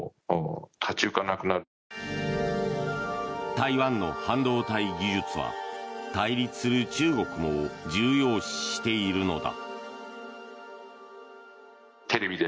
台湾の半導体技術は対立する中国も重要視しているのだ。